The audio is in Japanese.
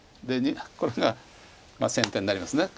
これが先手になります。